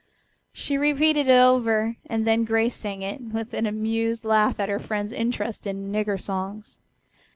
She repeated it over and then Grace sang it, with an amused laugh at her friend's interest in "nigger songs."